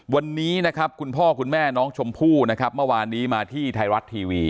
วันนี้นะครับคุณพ่อคุณแม่น้องชมพู่นะครับเมื่อวานนี้มาที่ไทยรัฐทีวี